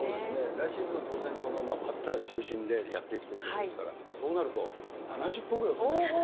来シーズンは当然バッター中心でやっていくということですから、そうなると、７０本ぐらい打つんじゃない？